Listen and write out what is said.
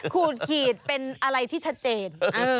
ขูดขีดเป็นอะไรที่ชัดเจน